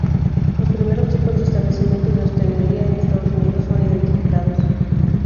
Los primeros tipos de establecimientos de hostelería en Estados Unidos son identificados.